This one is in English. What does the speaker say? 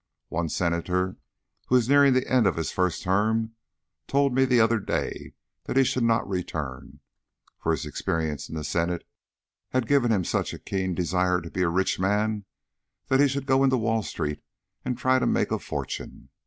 One Senator who is nearing the end of his first term told me the other day that he should not return, for his experience in the Senate had given him such a keen desire to be a rich man that he should go into Wall Street and try to make a fortune.